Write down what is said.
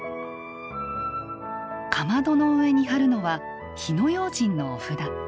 かまどの上に貼るのは「火の用心」のお札。